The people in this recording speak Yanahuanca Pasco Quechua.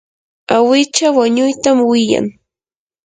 awicha waynutam wiyan.